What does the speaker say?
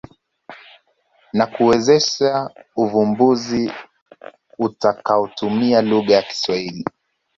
na kuwezesha uvumbuzi utakaotumia lugha ya Kiswahili.